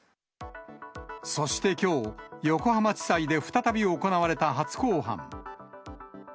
そしてきょう、横浜地裁で再び行われた初公判。